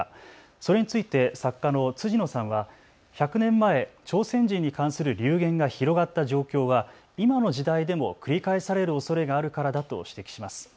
それについて作家の辻野さんは１００年前、朝鮮人に関する流言が広がった状況は今の時代でも繰り返されるおそれがあるからだと指摘します。